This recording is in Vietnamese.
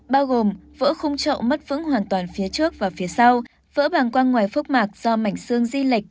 bao gồm vỡ khung trậu mất vững hoàn toàn phía trước và phía sau vỡ bảng quang ngoài phúc mạc do mảnh xương di lệch